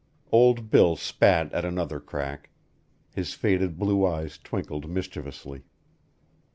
Old Bill spat at another crack; his faded blue eyes twinkled mischievously.